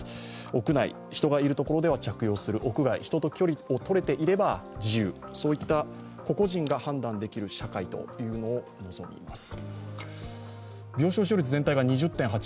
屋内、人がいるところでは着用する、屋外、人と距離を取れていれば自由そういった個々人が判断できる社会というのを望みます。